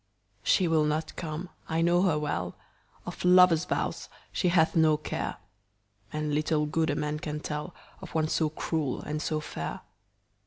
She will not come, I know her well, Of lover's vows she hath no care, And little good a man can tellOf one so cruel and so fair.